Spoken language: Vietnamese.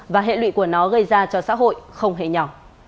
và hệ lụy của nó gây ra cho xã hội không hề nhỏ